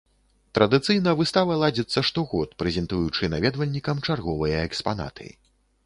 Традыцыйна выстава ладзіцца штогод, прэзентуючы наведвальнікам чарговыя экспанаты.